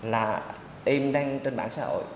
là em đang trên mạng xã hội